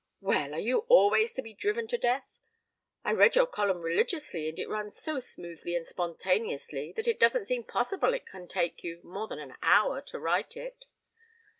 "Well are you always to be driven to death? I read your column religiously and it runs so smoothly and spontaneously that it doesn't seem possible it can take you more than an hour to write it."